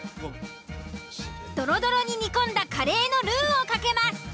ドロドロに煮込んだカレーのルーをかけます。